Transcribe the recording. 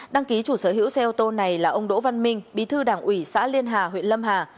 đăng ký chủ sở hữu xe ô tô này là ông đỗ văn minh bí thư đảng ủy xã liên hà huyện lâm hà